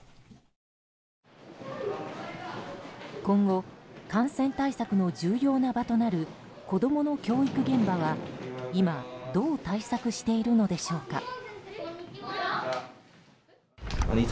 今後、感染対策の重要な場となる子供の教育現場は今、どう対策しているのでしょうか。